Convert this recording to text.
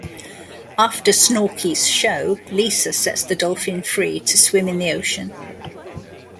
After Snorky's show, Lisa sets the dolphin free to swim in the ocean.